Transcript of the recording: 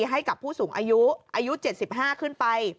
ให้กับผู้สูงอายุอายุ๗๕ขึ้นไป